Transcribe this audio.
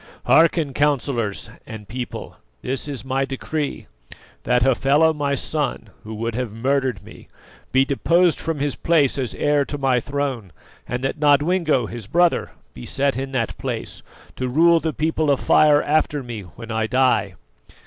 Hearken, councillors and people, this is my decree: that Hafela, my son, who would have murdered me, be deposed from his place as heir to my throne, and that Nodwengo, his brother, be set in that place, to rule the People of Fire after me when I die."